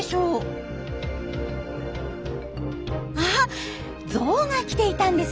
ゾウが来ていたんですね。